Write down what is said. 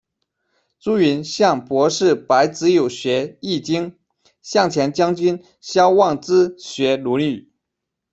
朱云向博士白子友学《易经》，向前将军萧望之学《论语》。